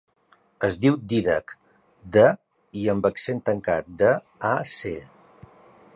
Es diu Dídac: de, i amb accent tancat, de, a, ce.